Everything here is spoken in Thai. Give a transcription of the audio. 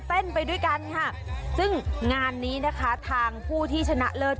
ไปด้วยกันค่ะซึ่งงานนี้นะคะทางผู้ที่ชนะเลิศ